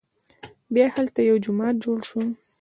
بیا هلته یو جومات جوړ شو.